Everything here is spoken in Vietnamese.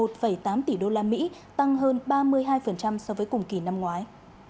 một tám tỷ usd tăng hơn ba mươi hai so với cùng kỳ năm ngoái